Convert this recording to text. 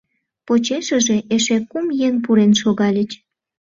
Почешыже эше кум еҥ пурен шогальыч.